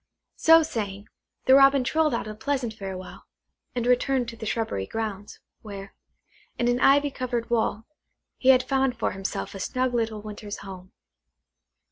So saying, the Robin trilled out a pleasant farewell, and returned to the shrubbery grounds, where, in an ivy covered wall, he had found for himself a snug little winter's home.